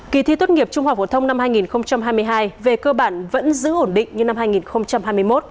kỳ thi tốt nghiệp trung học phổ thông năm hai nghìn hai mươi hai về cơ bản vẫn giữ ổn định như năm hai nghìn hai mươi một